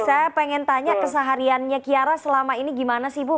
saya pengen tanya kesehariannya kiara selama ini gimana sih bu